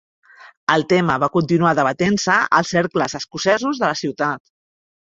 El tema va continuar debatent-se als cercles escocesos de la ciutat.